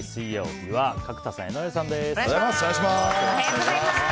水曜日は角田さん、江上さんです。